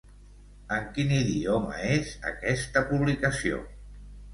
En quin idioma és aquesta publicació?